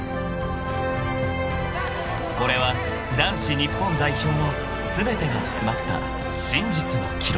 ［これは男子日本代表の全てが詰まった真実の記録］